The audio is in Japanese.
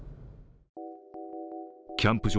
キャンプ場